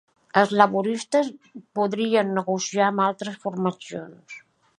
Els laboristes podrien negociar amb altres formacions